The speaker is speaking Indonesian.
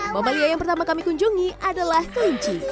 moba liya yang pertama kami kunjungi adalah kelinci